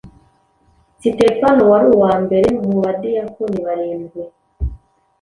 Sitefano wari uwa mbere mu badiyakoni barindwi,